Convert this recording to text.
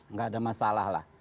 nggak ada masalah lah